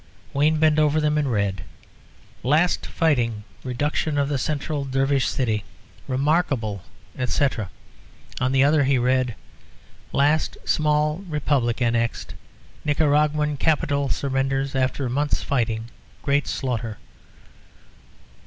Wayne bent over them, and read on one "LAST FIGHTING. REDUCTION OF THE CENTRAL DERVISH CITY. REMARKABLE, ETC." On the other he read "LAST SMALL REPUBLIC ANNEXED. NICARAGUAN CAPITAL SURRENDERS AFTER A MONTH'S FIGHTING. GREAT SLAUGHTER."